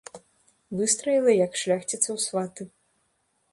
Выстраіла, як шляхціца ў сваты.